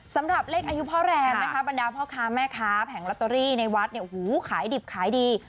สำหรับเลขอายุพ่อแรมนะคะบรรดาพ่อคาแหม่ค้าแผงลัตโตรี่ในวัสต์เนี่ยหูขายดี